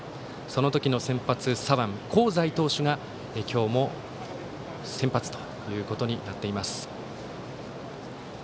その時の先発左腕、香西投手が今日も先発ということになっています。